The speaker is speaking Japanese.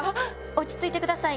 落ち着いてください